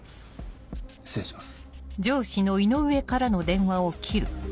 失礼します。